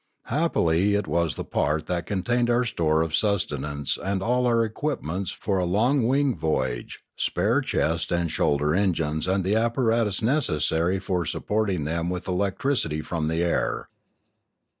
Happily it was the part that contained our store of sustenance and all our equipments for a long wing voyage, spare chest and shoulder engines and the apparatus necessary for sup plying them with electricity from the air.